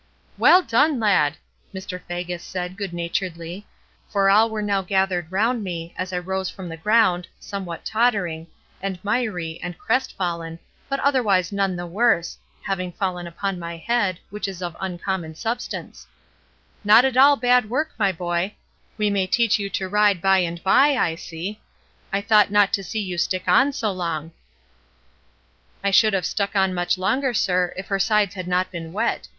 "Well done, lad," Mr. Faggus said, good naturedly; for all were now gathered round me, as I rose from the ground, somewhat tottering, and miry, and crest fallen, but otherwise none the worse (having fallen upon my head, which is of uncommon substance); "not at all bad work, my boy; we may teach you to ride by and by, I see; I thought not to see you stick on so long " "I should have stuck on much longer, sir, if her sides had not been wet.